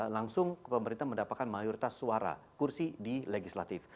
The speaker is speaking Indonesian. langsung pemerintah mendapatkan mayoritas suara kursi di legislatif